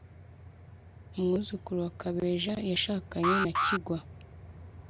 umwuzukuru wa Kabeja yashakanye na Kigwa